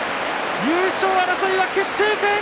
優勝争いは決定戦。